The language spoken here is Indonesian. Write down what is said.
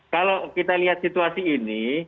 kalau kita lihat situasi ini